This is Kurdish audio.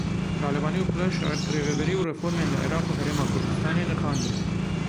Talebanî û Plasschaert rêveberî û reformên li Iraq û Herêma Kurdistanê nirxandin.